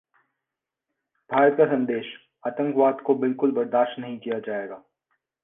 भारत का संदेश- 'आतंकवाद को बिल्कुल बर्दाश्त नहीं किया जाएगा'